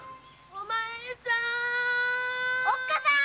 ・お前さん。